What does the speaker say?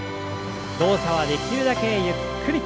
動作はできるだけゆっくり。